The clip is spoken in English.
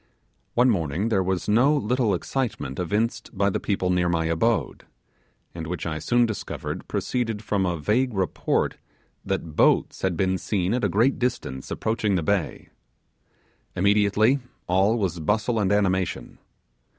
One morning there was no little excitement evinced by the people near my abode, and which I soon discovered proceeded from a vague report that boats, had been seen at a great distance approaching the bay. Immediately all was bustle and animation.